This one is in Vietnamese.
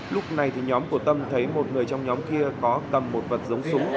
lúc này thì nhóm của tâm thấy một người trong nhóm kia có cầm một vật giống súng